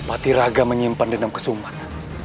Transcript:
patiaga menyimpan dendam kesumat